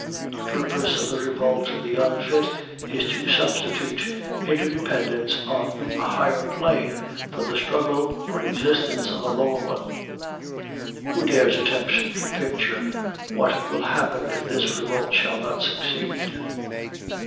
The purpose of the revolt of the unfit is to substitute interdependence on a higher plane for the struggle for existence on a lower one. Who dares attempt to picture what will happen if this revolt shall not succeed?